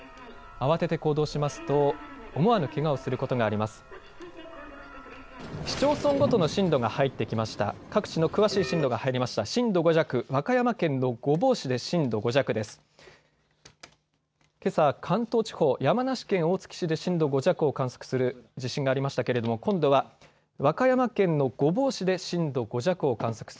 慌てて行動しますと思わぬけがをすることがあります。